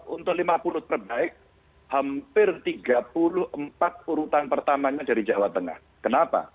untuk lima puluh terbaik hampir tiga puluh empat urutan pertamanya dari jawa tengah kenapa